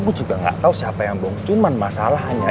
gua juga gak tau siapa yang bohong cuman masalahnya